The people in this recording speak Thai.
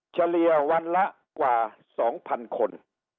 เฉลี่ยวันละกว่า๒๐๐๐คน